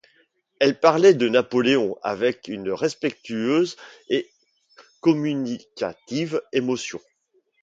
Elle parlait de Napoléon avec une respectueuse et communicative émotion.